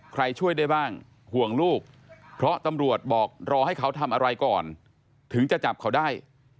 ใครช่วยได้บ้างห่วงลูกเพราะตำรวจบอกรอให้เขาทำอะไรก่อนถึงจะจับเขาได้